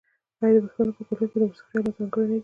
آیا د پښتنو په کلتور کې د موسیقۍ الات ځانګړي نه دي؟